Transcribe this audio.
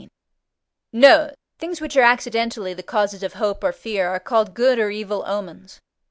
Note. Things which are accidentally the causes of hope or fear are called good or evil omens.